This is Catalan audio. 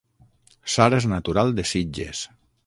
Sara és natural de Sitges